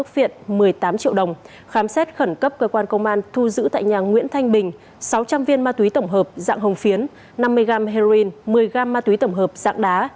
sáu trăm linh viên ma túy tổng hợp dạng hồng phiến năm mươi g heroin một mươi g ma túy tổng hợp dạng đá